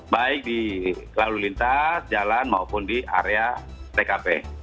baik di lalu lintas jalan maupun di area tkp